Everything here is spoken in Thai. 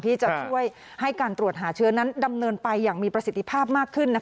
ที่จะช่วยให้การตรวจหาเชื้อนั้นดำเนินไปอย่างมีประสิทธิภาพมากขึ้น